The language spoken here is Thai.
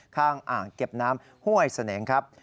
ข้างอ่างเก็บน้ำห้วยเสนงครับ